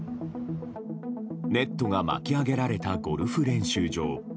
ネットが巻き上げられたゴルフ練習場。